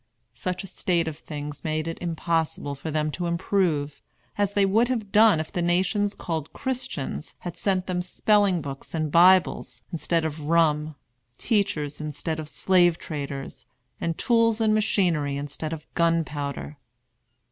Such a state of things made it impossible for them to improve, as they would have done if the nations called Christians had sent them spelling books and Bibles instead of rum, teachers instead of slave traders, and tools and machinery instead of gunpowder.